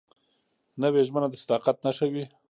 نوې ژمنه د صداقت نښه وي